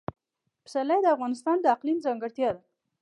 پسرلی د افغانستان د اقلیم ځانګړتیا ده.